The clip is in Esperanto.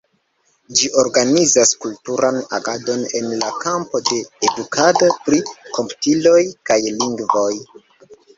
Ĝi organizas kulturan agadon en la kampo de edukado pri komputiloj kaj lingvoj.